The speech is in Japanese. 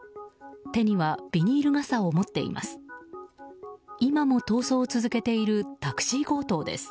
手にはビニール傘を持っています。